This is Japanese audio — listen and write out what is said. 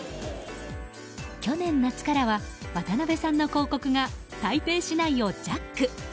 去年夏からは、渡辺さんの広告が台北市内をジャック。